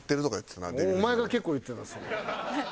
お前が結構言ってたそれ。